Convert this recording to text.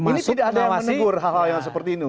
nah ini tidak ada yang menegur hal hal yang seperti ini